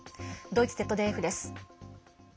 ドイツＺＤＦです。